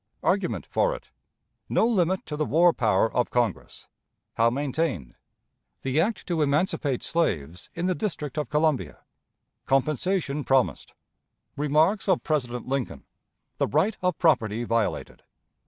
Argument for it. No Limit to the War Power of Congress; how maintained. The Act to emancipate Slaves in the District of Columbia. Compensation promised. Remarks of President Lincoln. The Right of Property violated.